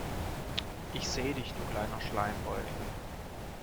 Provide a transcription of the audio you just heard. Ich seh dich du kleiner Schleimbeutel.